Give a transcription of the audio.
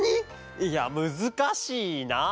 いやむずかしいな。